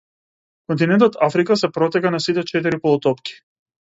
Континентот Африка се протега на сите четири полутопки.